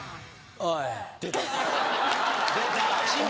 おい